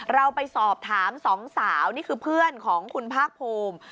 เราไปสอบถามสองสาวนี่คือเพื่อนของคุณภาคภูมิ